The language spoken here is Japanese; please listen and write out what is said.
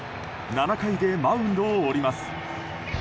７回でマウンドを降ります。